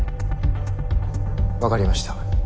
分かりました。